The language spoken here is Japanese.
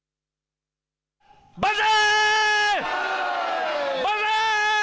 万歳。